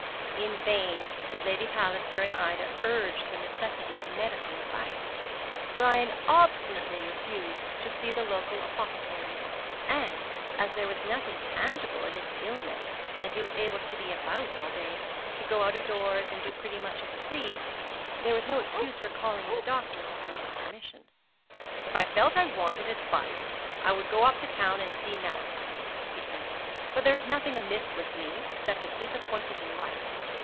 In vain did Lady Palliser and Ida urge the necessity of medical advice. Brian obstinately refused to see the local apothecary; and, as there was nothing tangible in his illness and he was able to be about all day, to go out of doors, and do pretty much as he pleased, there was no excuse for calling in the doctor without his permission. 'If I felt that I wanted advice, I would go up to town and see Mallison,' he said; 'but there is nothing amiss with me, except a disappointed life.